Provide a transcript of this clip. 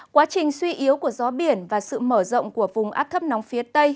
quá trình suy yếu của gió biển và sự mở rộng của vùng áp thấp nóng phía tây